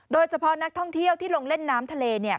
โดยเฉพาะนักท่องเที่ยวที่ลงเล่นน้ำทะเลเนี่ย